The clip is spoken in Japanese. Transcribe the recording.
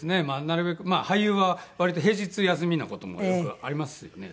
なるべく俳優は割と平日休みな事もよくありますよね。